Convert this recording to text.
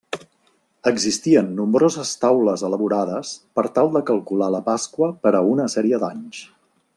Existien nombroses taules elaborades per tal de calcular la Pasqua per a una sèrie d'anys.